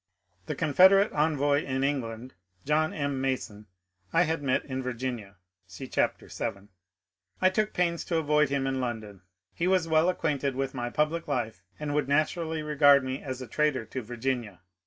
The Confederate envoy in England, John M. Mason, I had met in Virginia (see chapter vii). I took pains to avoid him in London ; he was well acquainted with my public life and would naturally regard me as a traitor to Virginia.